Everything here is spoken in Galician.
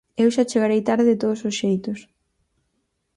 Eu xa chegarei tarde de todos os xeitos.